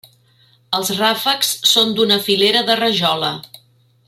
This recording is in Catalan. Els ràfecs són d'una filera de rajola.